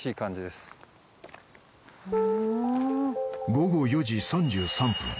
［午後４時３３分］